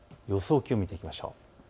気温を見ていきましょう。